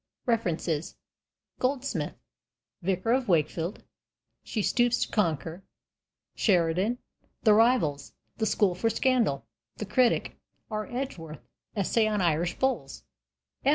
REFERENCES: Goldsmith: Vicar of Wakefield, She Stoops to Conquer; Sheridan: The Rivals, The School for Scandal, The Critic; R. Edgeworth: Essay on Irish Bulls; M.